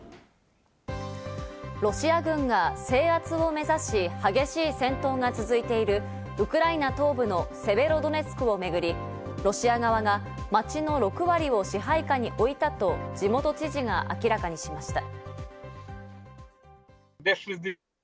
ロシア軍が制圧を目指し、激しい戦闘が続いているウクライナ東部のセベロドネツクをめぐり、ロシア側が街の６割を支配下に置いたと地元知事が明らかにしました。